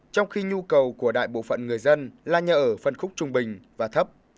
trong khi nhu cầu của đại bộ phận người dân là nhà ở phân khúc trung bình và thấp